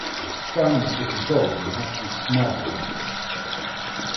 Crime must be controlled and we have to be smart about it.